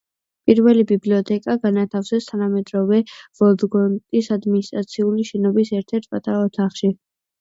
პირველი ბიბლიოთეკა განათავსეს თანამედროვე ვოლგოდონსკის ადმინისტრაციული შენობის ერთ-ერთ პატარა ოთახში.